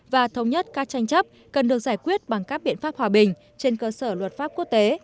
và thống nhất các tranh chấp cần được giải quyết bằng các biện pháp hòa bình trên cơ sở luật pháp quốc tế